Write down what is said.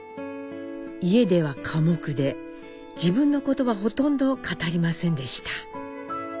家では寡黙で自分のことはほとんど語りませんでした。